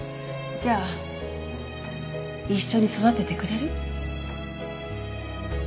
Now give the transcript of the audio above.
じゃあ一緒に育ててくれる？